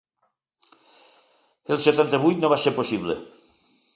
El setanta-vuit no va ser possible.